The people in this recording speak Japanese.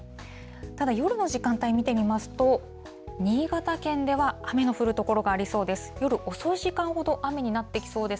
ただ、夜の時間帯見てみますと、新潟県では雨の降る所がありそうです。